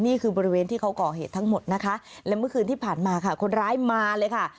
บริเวณที่เขาก่อเหตุทั้งหมดนะคะและเมื่อคืนที่ผ่านมาค่ะคนร้ายมาเลยค่ะ